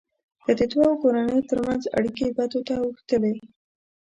که د دوو کورنيو ترمنځ اړیکې بدو ته اوښتلې.